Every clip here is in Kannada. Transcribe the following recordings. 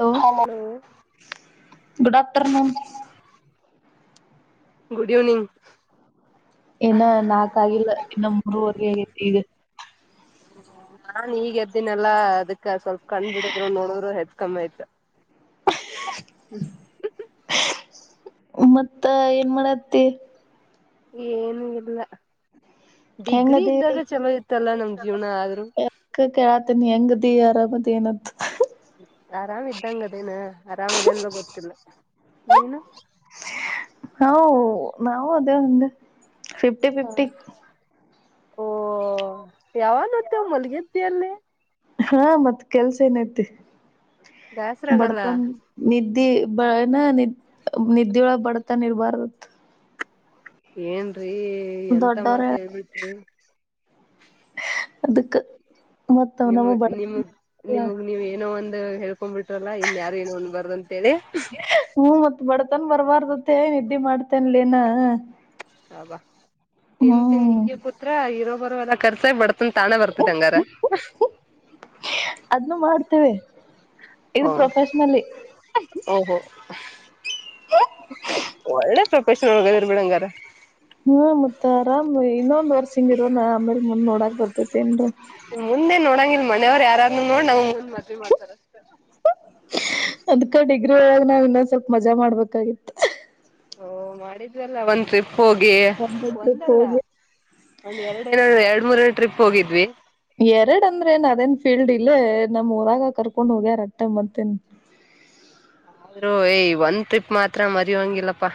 Hello, good afternoon, good evening. ಇನ್ನಾ ನಾಕ ಆಗಿಲ್ಲ ಇನ್ನ ಮೂರವರೆ ಆಗತಿ ಈಗ. ನಾನ್ ಈಗ ಎದ್ದಿನಲ್ಲಾ ಅದಕ್ ಸ್ವಲ್ಪ ಕಣ್ ಬಿಡದ್ರು ನೋಡ್ರು ಹೆದ್ ಕಮ್ಮಿ ಆಯ್ತ. ಹ್ಮ [unintelligible] ಮತ್ತ ಏನ್ ಮಾಡತ್ತಿ, ಏನು ಇಲ್ಲ. ಹ [inaudible] ಹೆಂಗ ಡಿಗ್ರಿ ದೀ ಇದ್ದಾಗ ಚಲೋ ಇತ್ತಲ್ಲ ನಮ್ ಜೀವನ ಆದ್ರು ಕಾತನಿ ಹೆಂಗ ದೀರ [unintelligible] ಮತ್ತೇಏನ್ದ [unintelligible] ಆರಾಮ ಇದ್ದಂಗ ಅದೇನ ಅರಾಮ್ ಅದೇನ್ಲ ಗೊತ್ತಿಲ್ಲ. ನೀನು -ನವು ನಾವು ಅದೇ ಒಂದು ಫಿಫ್ಟಿ- ಫಿಫ್ಟಿ ಓ ಯಾವಾಗತ್ತ ಮಲ್ಲಿಗಿರತಲ್ಲೆ. ಹಾ, ಮತ್ ಕೆಲ್ಸ ಏನಐತಿ ಬೇಸ್ರಾಗಲ್ಲ ಬಡ್ತನ್ ನಿದ್ದೆ ಬನಾ [unintelligible] ನಿದ್ದ್ಯೊಳಗಬಡತನ ಇರ್ಬಾರದು. ಏನ್ರೀ ಎಂತ ದೊಡ್ಡವ್ರ ಮಾತ ಹೇಳ್ಬಿಟ್ರಿ., ಅದಕ್ಕೆ [unintelligible] ನಿಮ, ನಿಮ ನಿಮಗ್ ನೀವ್ ಏನೋ ಒಂದ್ ಹೇಳ್ಕೊಂಡ್ ಬಿಟ್ರಲ್ಲ ಇನ್ ಯಾರು ಏನೋ ಅನ ಬಾರದಂತಹ ನೆ ಹ್ಮ [unintelligible] ಮತ್ ಬಡತನ್ ಬರ್ಬಾರ್ದತ್ತ ಹೇಳ್ ನಿದ್ದಿ ಮಾಡ್ತೇನ್ಲೆನಾ. ಹ [unintelligible] ಬಾ ತಿಂದ- ತಿಂದ ಹಿಂಗೆ ಕೂತ್ರ ಇರೋ ಬರ ಎಲ್ಲ ಕರ್ಸ ಬಡತನ್ ತಾನೆ ಬರ್ತದ ಅಂಗಾರ. ಅದ್ನು ಮಾಡ್ತೇವೆ ಇದು ಪ್ರೊಫೆಷನಲಿ. ಓಹೋ ಒಳ್ಳೆ ಪ್ರೊಫೆಷನಲ್ ಒಗ [unintelligible] ದ್ರ ಬಿಡಂಗಾರ. ಹ್ಮ, ಮತ್ತ ಆರಾಮ್ ಇನ್ನೊಂದ ವರ್ಷ ಹಿಂಗಿರೋದ ಆಮೇಲ್ ಮುಂದ್ ನೋಡಾಕ್ ಬರ್ತೇತೇನ್ರಾ. ಮುಂದೆ ನೋಡಂಗಲ್ ಮನೆಯವ್ರು ಯಾರಾರೂ ನೋಡ್ ನಮ್ ಮುಂದ್ ಮದ್ವಿ ಮಾಡ್ತಾರಷ್ಟ. ಅದ್ಕ ಡಿಗ್ರಿ ಒಳಗ ನಾವ್ ಇನ್ನೊಂದ ಸ್ವಲ್ಪ ಮಜಾ ಮಾಡ್ಬೇಕಾಗಿತ್ತು. ಓ ಮಾಡಿದ್ರಲ್ಲ ಒಂದ ಹೋಗಿ ಒಂದೊಂದ್ ಟ್ರಿಪ್ ಒಂದಲ್ಲ, ಹೋಗಿ ಒಂದ ಎರಡು ಎರಡ್ ಮೂರ ಟ್ರಿಪ್ ಹೋಗಿದ್ವಿ ಎರಡ್ ಅಂದ್ರೆ ಏನ್ ಅದೇನ್ ಫೀಲ್ಡ್ ಇಲ್ಲೇ, ನಮ್ಮ್ ಊರಾಗ ಕರ್ಕೊಂಡ್ ಹೋಗ್ಯಾರಕ್ಟ ಮತ್ತೇನ್. [inaudible] ಆದ್ರೂ ಏಯ್ ಒಂದ್ ಟ್ರಿಪ್ ಮಾತ್ರ ಮರಿಯೋಂಗಿಲ್ಲಪ್ಪಾ.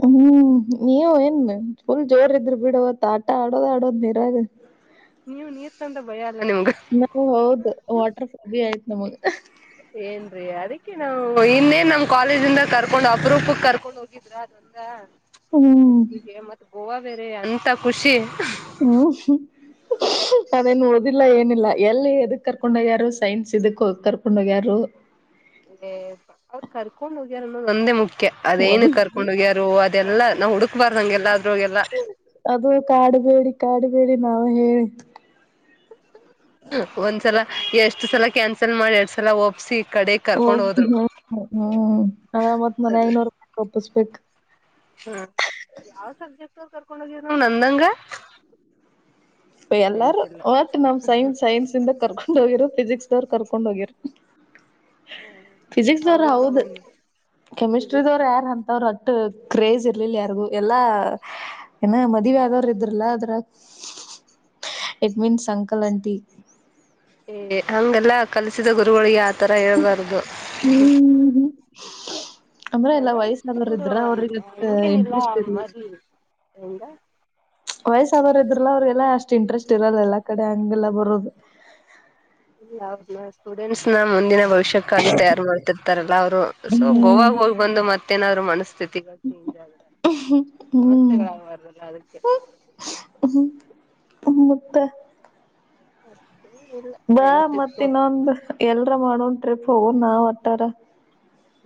ಹ್ಮ ಹ್ಮ್, ನೀವ ಏನ್ ಫುಲ್ ಜೋರ ಇದ್ರಿ ಬಿಡವತ್ ಆಟ ಆಡೋದ- ಆಡೋದ್ ನೀರಾಗ. ನೀವ್ ನೀರ್ ಕಂಡ್ರ ಭಯ ಅಲ್ಲ ನಿಮ್ಗ. [inaudible] ನಾವು ಹೌದ ವಾಟರ್ಫಾಲ್ ಭ ಆಯ್ತ್ು ನಮಗ್ ಏನ್ರೀ ಅದಕ್ಕೆ ನಾವು ಇನ್ನೇನ್ ನಮ್ ಕಾಲೇಜಿಂದ ಕರ್ಕೊಂಡ್ ಅಪ್ರೂಪಕ್ ಕರ್ಕೊಂಡ ಹಗಿದ್ರ ಅದೊಂದ ಹ್ಮ್ ಹೀಗೆ ಮತ್ತ್ ಗೋವಾ ಬೇರೆ ಅಂತ ಖುಷಿ [unintelligible] ಹ್ಮ್ [inaudible] ಅದೇನ್ ಓಡದಿಲ್ಲ ಏನಿಲ್ಲ ಎಲ್ಲಿ ಎದಕ್ ಕರ್ಕೊಂಡೋಗ್ಯಾರು ಸೈನ್ಸ್ ಇದಕ್ ಹೋಗ ಕರ್ಕೊಂಡೋಗ್ಯಾರು ಏ ಅವ್ರು ಕರ್ಕೊಂಡ್ ಹೋಗ್ಯಾರ ಅನ್ನೋದು ಒಂದೇ ಮುಖ್ಯ ಅದೇಏನು ಕರ್ಕೊಂಡ್ ಹೋಗ್ಯಾರ ಅದೆಲ್ಲಾ ನಾವುುಡುಕ್ಬಾರ್ದಂಗೆಲ್ಲ ಅದು ಕಾಡಬೇಡಿ ಕಾಡಬೇಡಿ ನಾವ್ ಹೇಳಿ ಒಂದ್ಸಲ ಎಷ್ಟ್ ಸಲ ಕ್ಯಾನ್ಸಲ್ ಮಾಡಿ ಎರಡ್ ಸಲ ಒಓಪ್ಸಿ ಹ ಹ್ಮ್ ಅದ ಮತ್ ಮನೆ ಐನೂರುೂಪಾಯ ಒಪ್ಪಸ್ಬೇಕ ಹ್ಮ ಯಾವ್ ಸಬ್ಜೆಕ್ಟ್ ಕರ್ಕೊಂಡ ಹೋಗಿದರು ನ ನಂದಂಗ ಎಲ್ಲಾರ ನೆನ್ಪಿಲ್ಲ ಒಟ್ ನಾವ್ ಸೈನ್ಸ್ ಸೈನ್ಸ್ ಇಂದ ಕರ್ಕೊಂಡ್ ಹೋಗಿರ ಫಿಸಿಿಕ್ಸ್ ದವ್ರು ಕರ್ಕೊಂಡ್ ಹೋಗಿರ ಫಿಸಿಿಕ್ಸ್ ದವ್ರ ಅವರೆಲ್ಲ ಹೌದ ಬಂದು ಇದು ಕೆಮಿಸ್ಟ್ರಿದವ್ರ ಯಾರ ಅಂತವ್ರ ಅಟ್ಟ ಕ್ರೇಜ್ ಇರ್ಲಿಲ್ಲ ಯಾರಿಗು ಎಲ್ಲಾ ಏನ ಮದುವೆ ಆದವ್ರು ಇದ್ರಲ್ಲ ಅದ್ರ ಇಟ್ ಮೀನ್ಸ್ ಅಂಕಲ್ ಅಂಟಿ ಏ ಹಂಗೆಲ್ಲ ಕಲಸಿದ ಗುರುಗಳಿಗೆ ಆತರ ಹೇಳ್ಬಾರ್ದು ಅಂದ್ರ ಎಲ್ಲಾ ಎಲ್ಲ ಇತ್ತು ವಯಸ್ಿನಲ್ಲರು ಬಿಡು ಇದ್ರ ಅವ್ರಿಗೆ ಹಂಗೇನಿಲ್ಲ ಇಂಟ್ರೆಸ್ಟ್ ಇ ಮರಿ ಹೆಂಗ ವಯಸ್ಸರ್ ಇದ್ರಲ್ಲ ಅವ್ರಿಗೆಲ್ಲ ಅಷ್ಟ್ ಇಂಟ್ರೆಸ್ಟ್ ಇರಲ್ಲ ಎಲ್ಲಾ ಕಡೆ ಹಂಗೆಲ್ಲ ಬರೋದು ಇಲ್ಲ ಹೌ ಸ್ಟೂಡೆಂಟ್ಸ್ ನ ಮುಂದಿನ ಭವಿಷ್ಯ ಚಕ್ಕಗಿ ತಯಾರು ಮಾಡ್ತಿರ್ತಾರಲ್ಲಾ ಅವರು ಸೊ ಹ್ಮ್ ಗೋವಾಗ ಹೋಗಿ ಬಂದು ಮತ್ತೇನಾದ್ರು ಮನಸ್ತಿ ಚೇಂಜ್ ಆದ್ರ ಹ್ಮ್ ಸಮಸ್ಯೆಗಳಾಗಬಾರಲ್ಲ ಅದಕ್ಕೆ ಮುುತ್ತ ಹ ಬಾ ಮತ್ತ ಇನ್ನೊಂದ್ ಎಲ್ರ ಮಾಡೋನ್ ಟ್ರಿಪ್ ಹೋಗೋ ನಾವ್ ಒಟ್ಟಾರ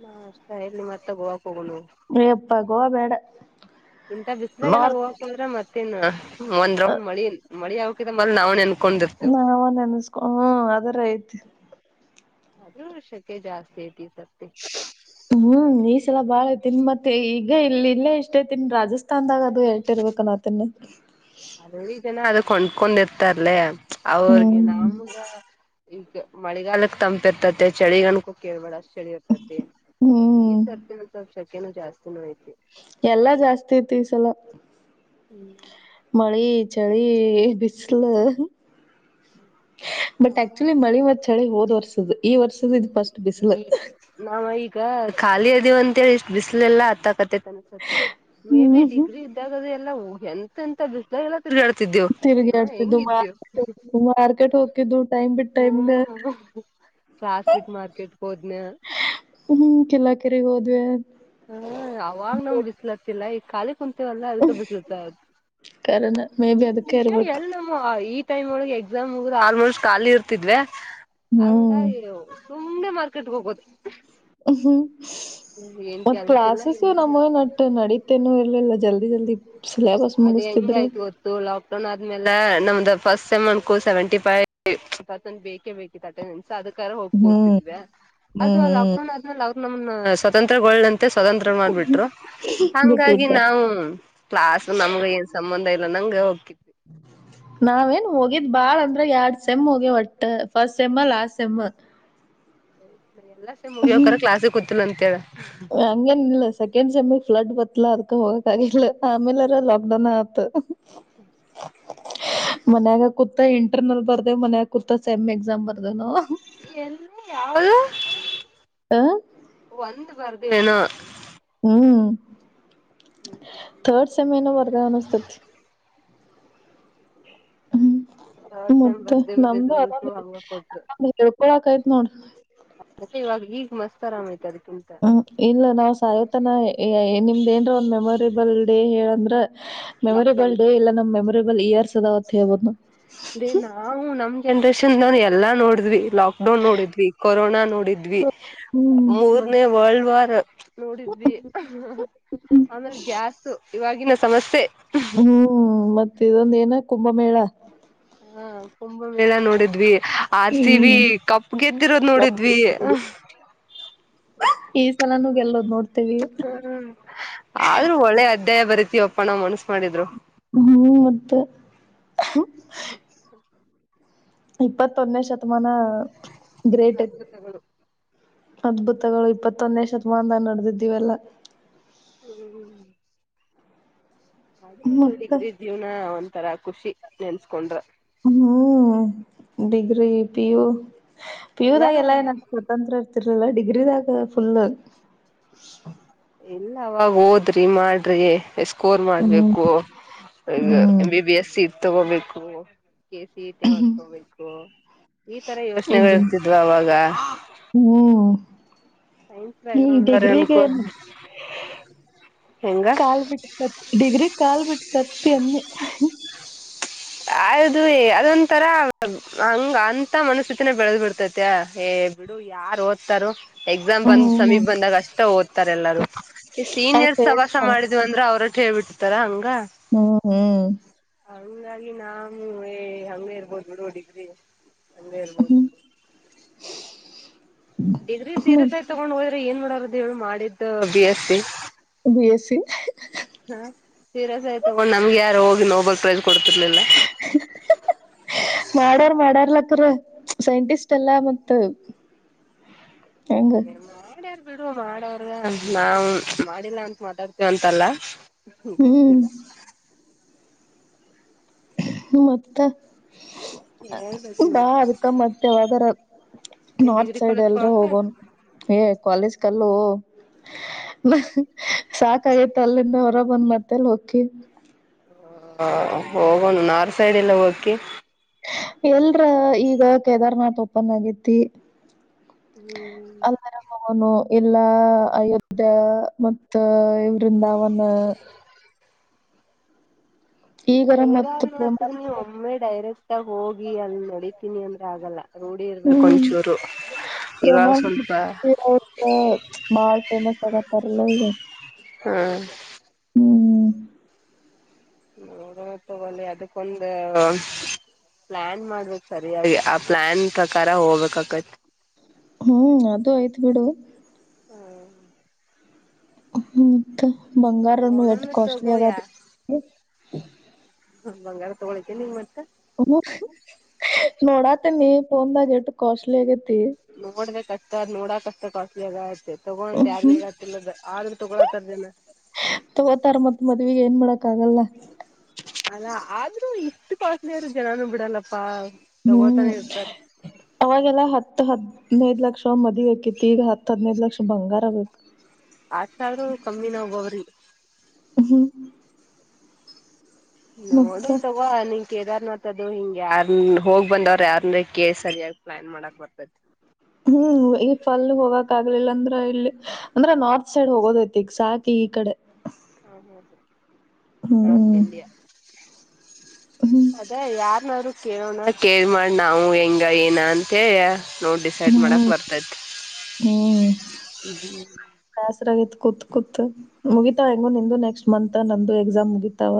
ಹಾ ಅಷ್ಟ ಎಲ್ಲಿ ಮತ್ತೆ ಮತ್ತ ಹೋಗಕ್ ಹೋಗೋ [inaudible] ಯಪ್ಪಾ ಗೋವಾ ಬೇಡ ಇಂತ ಬಿಸ್ರಾಗ ಎಲ್ಲ ನಾರ್ತ್ ಹೋಗಕಂದ್ರೆ ಮತ್ತ ಒಂದ್ ರೌಂಡ್ ಮಳಿ ಮಳಿ ಆಕ ಮ ನಾವ್ ನೆನ್ಕೊಂಡಿರ್ತೇವ್ ನಾವ ನೆನಸ್ಕೊ ಹ್ಮ ಅದರ ಐತಿ ಆದ್ರ ವರ್ಷಕ್ಕೆೆ ಜಾಸ್ತಿ ಐತಿ ಸರ್ತಿ ಹ್ಮ್ ಈಸಲ ಬಾಳ ತಿನ್ ಮತ್ತೆ ಈಗ ಇಲ್ಲಿ ಇಲ್ಲೇ ಇಷ್ಟೇ ತಿನ್ ರಾಜಸ್ಥಾನ್ದಾಗ ಅದು ಹೇಳ್ತಿಿರ್ಬೇಕ ನಾ ತಿನ್ನ ಅದ ಈ ಜನ ಅದು ಕೊಂಡ್ಕೊಂಡಿರ್ತಾರಲ ಅವ್ರಿಗೆ ಹ್ಮ್ ನಮಗ ಈಗ ಮಳಿಗಾಲಕ್ಕೆ ತಂಪ ಇರ್ತತಿ ಚಳಿಗಣಕೂ ಕೇಳ್ಬೇಳ ಅಷ್ಟ ಚಳಿ ಇರ್ತತಿ ಈ ಹ್ಮ್ ಸರ್ತಿನು ಸ ಶಕ್ಯನು ಜಾ ಎಲ್ಲಾ ಜಾಸ್ತಿ ಇತಿವಿ ಸಲ ಹ್ಮ್ ಚಳಿ ಚಳಿ ಬಿಸಿಲು ಬಟ್ ಆಕ್ಚುಲಿ ಮಳಿ ಮತ್ ಚಳಿ ಹೋದ್ ವರ್ಸದ ಈ ವರ್ಷ ನಾವ ಈಗ ಖಾಲಿ ಅದೇವ ಅಂತೇಳಿ ಇಷ್ಟ್ ಬಿಸಿಲೆ ಎಲ್ಲಾ ಹತ್ತಕತ್ತ ನ್ಸತ್ಯ ಮೇ ಬಿ ಡಿಗ್ರಿ ಇದ್ದಾಗದೆ ಎಲ್ಲ ಎಂತ ಎಂತ ಬಿಸ್ಾಗ ಹ ತಿರುಗಾಡ್ತಿದ್ದು ಹೆಂಗಿದ್ದೇವು ಮಾರ್ಕೆಟ್ ಮಾರ್ಕೆಟ್ ಹೋಗ್ತಿದ್ದು ಟೈಮ್ ಬಿಟ್ ಟೈಮ್ಗ ಹ ಫಾಸ್ವೀಟ್ ಮಾರ್ಕೆಟ್ದನ ಕ್ರ ಹೋದ್ವೆ ಹ ಅವಾಗ್ ನಮ್ ಬಿಸಿ್ಲತಿಲ್ಲ ಈ ಕಾಲಿ ಕುಂತೇವಲ್ಲ ಅದ ತ ಬಿಸಲತ ಕಾರಣ ಮೇ ಬಿ ಅದಕ್ಕೆ ನಿಜ ಇರ್ಬೇಕು ಎಲ್ಲ ನಮ್ಮ ಟೈಮ್ ಒಳಗೆ ಎಕ್ಸಾಮ್ ಹೋಗ್ರೆ ಆಲ್ಮೋಸ್ಟ್ ಖಾಲಿ ಇರ್ತಿದ್ವಿ ಹಂಗ ಹ್ಮ್ ಸುಮ್ನೆ ಮಾರ್ಕೆಟ್ಗೆ ಹೋಗಬೋದು ಹಹ ಏನ್ ಮತ್ ಕೆಲ್ಸಿಲ್ಲ ಕ್ಲಾಸಸ್ ಏನಿಲ್ಲ ನಮ್ಮ ನ ನಡೀತೇನು ಎಲ್ಲಲ್ಲ ಜಲ್ದಿ ಜಲ್ದಿ ಸಿಲಬಸ್ ಮುಗಿಸ್ತಿದ್ರು ನ್ ಆದ್ಮೇಲೆ ನಮ್ದ ಫಸ್ಟ್ ಸೆಮನ್ೂ ಸೆವೆಂಟಿ ಫೈವ್ ಪರ್ಸೆಂಟ್ ಬೇಕೇ ಬೇಕಿತ್ತು ಅೆ ಸಾಧ ಹೋಗ್ಕ ಹ್ಮ್ ಕೊಡ್ತಿದ್ವಿ ಅದು ಹ್ಮ್ ಹ್ಮ್ ಲಾಕ್ಡೌನ್ ಆದ್ಮೇಲೆ ಅವರು ನಮ ಸ್ವತಂತ್ರ ಸ್ವತಂತ್ರ ಮಾಡ್ಬಿಟ್ರು ಬಿಟ್ಟ ಹಂಗಾಗಿ ಬಿಡ್ತಾರ ನಾವು ಕ್ಲಾಸ್ ನಮ್ಗ ಏನ್ ಸಂಬಂಧ ಇಲ್ಲ ನಂಗಗೆ ಹೋಗಕಿ ಹ್ಮ ನಾವೇನ್ ಹೋಗಿದ್ ಬಾಳ ಅಂದ್ರ ಎರಡ್ ಸೆಮ್ ಹೋಗಿ ಒಟ್ಟ ಫಸ್ಟ್ ಸೆಮ್ಮ ಲಾಸ್ಟ್ ಸೆಮ್ಮ ಎಲ್ಲ ಸೇಮ್ ಹ್ಮ್ ಮುಗಿಯಕರ ಗೂತ್ತಿಲ್ಲ ಅಂತೇಳ ಹಂಗೇನಿಲ್ಲ ಸೆಕೆಂಡ್ ಸೆಮ್ಮಿಗ್ ಫ್ಲಡ್ ಗೊತ್ತಿಲ್ಲ ಅದ್ಕ ಹೋಗಕ್ಗಿಲ್ಲ ಆಮೇಲಾರ ಲಾಕ್ಡೌನ್ ಆತು ಮನ್ಯಾಗ ಕೂತಾ ಇಂಟರ್ನಲ್ ಬರ್ದೆ ಮನ್ಯಾಗ ಕೂತಾ ಸೆಮ್ ಎಕ್ಸಾಮ್ ಬರ್ದೆನು ಎಲ್ಲಿ ಯಾವ್ದ ಆ ಒಂದು ಬರದು ಏನೋ ಹ್ಮ್ ಥರ್ಡ್ ಸೆಮೆನು ಬರ್ದ ಅನಿಸ್ತತಿ ಥರ್ಡ್ ಸೆಮ್ ಮತ್ತೆ ಬರ್ದೇವಿ ನಮ್ದು ರಿಸಲ್ಟ್ ಅದೊದ ಹಂಗ ಕೊಟ್ರು ಹೇಳ್ಕೊಳಕೈತ್ ನೋಡು ಮತ್ತೆ ಇವಾಗ ಈಗ ಮಸ್ತ್ ಆರಾಮ ಆಯ್ತ ಅದಿಕ್ಕೆ ಹ್ಮ್ ಇಲ್ಲ ನಾವ್ ಸಾಯತನ ನಿಮ್ದ ಏನ್ರ ಒಂದ್ ಮೆಮೊರೇಬಲ್ ಡೇ ಹೇಳ ಅಂದ್ರ ಮೆಮೊರೇಬಲ್ ಲಾಕ್ಡೌನ್ ಡೇ ಇಲ್ಲ ನಮ್ ಮೆಮೊರೇಬಲ್ ಇಯರ್ಸ್ ಅದಾವತ್ ಹೇಳ್ಬಹುದ್ ನಾವು ಅದೇ ನಾವು ನಮ್ ಜನ್ರೇಷನ್ ನಲ್ ಎಲ್ಲಾ ನೋಡಿದ್ವಿ ಲಾಕ್ಡೌನ್ ನೋಡಿದ್ವಿ ಕೊರೋನಾ ಡಿದ್ವಿ ಹ್ಮ್ ಮೂರನೇ ವರ್ಲ್ಡ್ ವಾರ್ ನೋಡಿದ್ವಿ ಆಮೇಲೆ ಗ್ಯಾಸು ಇವಾಗಿನ ಸಮಸ್ಯೆ ಹ್ಮ್ ಮತ್ತೆ ಇನ್ನೊಂದು ಏನು ಕುಂಭಮೇಳ ಹಾ ಕುಂಭ ಮೇಳ ನೋಡಿದ್ವಿ ಆರ್ ಸಿ ಹ್ಮ್ ಬಿ ಕಪ್ ಗೆದ್ದಿರೋದ್ ನೋಡಿದ್ವಿ ನೋಡಿ ಈ ಸಲನು ಗೆಲ್ಲುದ್ ನೋಡ್ತಿ ಹ್ಮ್ ಆದ್ರೂ ಒಳ್ಳೆ ಅಧ್ಯಾಯ ಬರಿತಿವಪ್ಪ ನಾವ್ ಮನ್ಸ ಮಾಡಿದ್ರು ಹ್ಮ್ ಮತ್ತೆ ಇಪ್ಪತ್ತೊನ್ನೇ ಶತಮಾನ ಗ್ರೇಟ್ ಐತ್ ಅದ್ಭುತಗಳು ಅದ್ಭುತಗಳು ಇಪ್ಪತ್ತೊಂದ್ನೇ ಶತಮಾನದ ನಡ್ದಿದ್ ಇವೆಲ್ಲ ಹ್ಮ್ ಹ್ಮ್ ಮತ್ತ ಡಿಗ್ರಿ ಜಿವನ ಒಂತರಾ ಖುಷಿ ನೆನ್ಸ್ಕೊಂಡ್ರ ಹ್ಮ್ degree P U P U ದಾಗ ಎಲ್ಲ ಎಲ್ಲಾರು ಏನ ಸ್ವತಂತ್ರ ಇರ್ತಿರ್ಲಲ್ಲ ಡಿಗ್ ಗಿರಿದ ಕಲರ್ ಫುಲ್ ಇಲ್ಲ ಅವಾಗ ಹೋದ್ರಿ ಮಾಡ್ರಿ ಎಸ್ ಕೋರ್ ಹ್ಮ್ ಮಾಡ್ಬೇಕು ಹ್ಮ್ M B B S seat ತಗೋಬೇಕು ಇತರ ಯೋಚ್ನೆಗಳು ಈ ತರ ಯೋಚನೆಗಳ ಇಂಜಿನ್ ಇರ್ತಿದ್ವಾ ಅವಾಗ ಹ್ಮ್ ಸೈನ್ಸ್ ನೀ ಬ್ಯಾಕ್ಗ್ರೌಂಡ್ ದವ್ರ ಅನ್ಕೋ ಡಿಗ್ರಿಗೆನು ಹೆಂಗ ಕಾಲ್ ಬಿಟ್ಕತ್ ಡಿಗ್ರಿ ಕಾಲ್ ಬಿಟ್ ಕತ್ತಿ ಅನ್ನಿ ಅಯದು ಅದೊಂತರ ಹಂಗ ಅಂತ ಮನಸ್ಥಿತಿನ ಬೆಳದ್ ಬಿಡ್ತೈತ ಬಿಡು ಯಾರು ಓದ್ತಾರು ಎಕ್ಸಾಮ್ ಬಂದ್ ಹ್ಮ್ ಸಮೀಪ ಬಂದಾಗ ಅಷ್ಟೇ ಓದ್ತಾರೆ ಎಲ್ಲಾರೂ ಈ ಅದ ಸೀನಿಯರ್ಸ್ ಫೇಸ್ ಸವಾಸ ಮಾಡಿದ್ ಅಂದ್ರೆ ಅವ್ರಷ್ಟ ಹೇಳ್ಬಿಡ್ತಾರ ಹಂಗ್ ಹ್ಮ್ ಹ್ಮ್ ಹಂಗಾಗಿ ನಾನುವೆ... ಹಂಗೆ ಇರ್ಬೋದು ಬಿಡು ಡಿಗ್ರಿ [inaudible] ಹ್ಮ್ ಡಿಗ್ರಿ ಹ್ಮ್ ಸೀರಿಯಸ್ ಆಗಿ ತಗೊಂಡ್ ಹೋದ್ರೆ ಏನ್ ಮಾಡಾರದದು ಹೇಳಿ ಮಾಡಿದ್ದು B S C B S C ಸೀರಸಯ್ತ ತಗೊಂಡ್ ನಮ್ಗೆ ಯಾರ ಹೋಗಿ ನೋಬಲ್ ಪ್ರೈಸ್ ಮಾಡಾರ ಮಾಡಾರ್ಲ ಸೈಂಟಿಸ್ಟ್ ಅಲ್ಲಾ ಮತ್ [inaudible] ಬಿಡು ಮಾಡವ್ರ ನಾವು ಮಾಡಿಲ್ಲ ಅಂತ ಮಾತಾಡ್ತಿವಂತಲ್ಲ ಹ್ಮ್ ಹೋಗ್ತಿಲ್ಲ ಮತ್ತ ಅ ಹೇಳ್ಬೇಕ್ ಬಾ ನೋಡ್ ಅದಕ್ಕ ಮತ್ತ ಯಾವದರ ಏನ್ ನಾರ್ತ್ ಡಿಗ್ರಿ ಸೈಡ್ ಕಾಲೇಜ್ ಎಲ್ರ ಹೋಗಕ. ಹೋಗೋನ್ ಏ ಕಾಲೇಜ್ ಗಲ್ಲೋ ಹ- ಹ್ಮ- ಸಾಕಾಗೈತ್ ಅಲ್ಲಿಂದ ಹೊರಬಂದ ಮತ್ತೇಲ್ ಹೊಕ್ಕಿ ಹ್ಮಾ--ಹೋಗೋಣ್ ನಾರ್ತ್ ಸೈಡ್ ಎಲ್ಲಿ ರ್ ಎಲ್ರ ಈಗ ಕೇದಾರ್ ನಾಥ ಓಪನ್ ಆಗೇತಿ ಹ್ಮ್ ಅಲ್ಲೇರ ಹೋಗೋನು ಎಲ್ಲಾ ಅಯೋಧ್ಯ ಮತ್ತ ಇವರಿಂದಾವನ್ ಈಗರ ಮತ್ ಕೇದಾರನಾಥಗ ನೀ ಒಮ್ಮೆ ಡೈರೆಕ್ಟಾಗ ಹೋಗಿ ಅಲ್ಲಿ ನಡಿತೀನಿ ಅನ್- ಆಗಲ್ಲ ರೂಢಿ ಇರಬೇಕು ಒಂಚೂರು ಇವಾಗ ಪ್ರೇಮಾ ಸ್ವಲ್ಪ ಬಾಳ ಫೇಮಸ್ ಆಗಾತಾರೂ ಇಲ್ಲ ಈಗ ಹ್ಮಾ ಹ್ಮ್ ನೋಡೋನ ತೊಗೋಲೇ ಅದಕ್ಕೊಂದ ಪ್ಲಾನ್ ಮಾಡಬೇಕ್ ಸರಿಯಾಗಿ ಆ ಪ್ಲಾನ್ ಪ್ರಕಾರ ಹೋಗ್ಬೇಕಾಕೆತಿ ಹ್ಮೂ ಅದು ಐತಿ ಬಿಡು ಹ್ಮ್ ಹೂಂ ಮತ್ ಬಂಗಾರನು ಎಟ್ ನೋಡೋಣ ಕಾಸ್ಟ್ಲಿ ತಗೋಯ ಆಗಾತೆತಿ ಹ್ಮ ಬಂಗಾರ ತಗೊಳಿಕ್ಕೆ ನೀ್ ಮತ್ತ ಹ್ಮ-ಹ್ಮ-ನೋಡಾತೆನಿ ಪೊನ್ ದಾಗ ಎಟ್ ಕಾಸ್ಟ್ಲಿ ಆಗೆತಿ ನೋಡ್ಬೇಕ್ ಅಷ್ಟ ಆದ ನೋಡಾಕಷ್ಟ ಕಾಸ್ಟ್ಲಿ ಆಗಾತೆತಿ ತೋಗೋ ಅಂತ ಯಾರಗು ಹೇಳಾತಿಲ್ಲಾ ಆದ್ರ- ತೋಗೋಳಾಕರದೆನಾ ತೋಗೋತಾರ ಮತ್ ಮದುವಿಗೆ ಏನ್ ಮಾಡಕಾಗಲ್ಲ ಅಲಾ ಆದ್ರೂ ಇಷ್ಟ ಕಾಸ್ಟ್ಲಿ ಆದ್ರೂ ಜನಾನು ಬಿಡಲ್ಲಪ್ಪಾ ಬವ್ಂ ತಗೋತಾನೆ ಇರ್ತಾರ ಅವಾಗೆಲ್ಲ ಹತ್ತ ಹತ್ತ ಇನ್ನ ಐದ ಲಕ್ಷ ಮದುವೆ ಆಕೆತಿ ಈಗ ಹತ್ತ ಹದ್ನೖದ ಲಕ್ಷ ಬಂಗಾರ ಬೇಕು ಅಷ್ಟಾದರೂ ಕಮ್ಮಿನ ಒಬ್ಬೊಬ್ಬರಿಗೆ ಹ್ಮ್ ಮತ್ತ ನೋಡಿ ತೊಗೋ ಅನಿಗ್ ಕೇದಾರನಾಥದು ಹಿಂಗ್ಯಾರ್--ನ ಹೋಗಿ ಬಂದವರರ್ಯಾನರ್ ಕೇಳಿ ಸರಿಯಾಗಿ ಪ್ಲಾನ್ ಮಾಡಕ್ ಬರ್ತೆತಿ ಹೊಂ ಈ ಪಲ್ ಗೆ ಹೋಗಾಕ್ ಆಗ್ಲಿಲ್ಲ ಅಂದ್ರ ಇಲ್ಲಿ ಅಂದ್ರ ನಾರ್ತ್ ಸೈಡ್ ಹೋಗದೈತಿ ಈಗ ಸಾಕಿ ಈ ಕಡೆ ಹ್ಮ ಹ್ಮ -ಹ್ಮ ನಾರ್ತ್ ಹ್ಮ್ ಇಂಡಿಯಾ ಹ್ಮ್ ಇಂಡಿಯಾ ಅದ ಯಾರ ಈಗಾದ್ರೂ ಕೇಳೋಣ ಕೇಳಿ ಮಾಡಿ ನಾವು ಹೆಂಗ ಏನ ಅಂತಯ ನೋಡ್ ಡಿಸೈಡ್ ಮಾಡಕ ಬರ್ತೈತಿ- ಹ್ಮ- ಬ್ಯಾಸ್ರ ಆಗೈತಿ ಕೂತ್ ಕೂತ್ ಮುಗಿತಾವ ಹೆಂಗೂ ನಿಂದು ನೆಕ್ಸ್ಟ ಮಂತ್ ನಂದು ಎಕ್ಸಾಮ್ ಮುಗಿತಾವ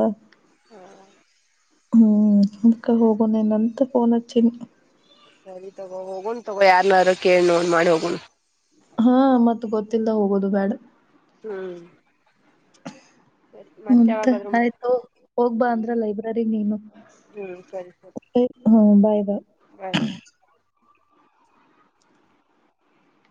[unintelligible] ಹ್ಮ- ಅದಕ ಹೋಗೋನೆನಂತ ಫೋನ್ ಹಚಿನ್ ಸರಿ ತೋಗೋ ಹೋಗೋಣ್ ತೋಗೋ ಯಾರ್ನಾರ ಕೇಳಿ ನೋಡಿ ಮಾಡಿ ಹೋಗೋಣ್ ಹಾ ಮತ್ತ ಗೊತ್ತಿಲ್ಲ ಹೋಗೋದು ಬೇಡ ಹ್ಮ ಮತ್ತ - ಮಾಡ್ ಆಯ್ತು ಹೋಗ್ಬಾ- ಅಂದ್ರ ಲೈಬ್ರರಿ ನೀನು ಹ್ಮ್ ಸರಿ ಸರಿ ಉಪಯ್ ಹ್ಮ- ಬಾಯ್ ಬಾಯ್ ಬಾಯ್